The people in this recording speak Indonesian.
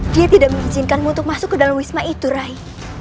dia tidak mengizinkanmu untuk masuk ke dalam wisma itu rai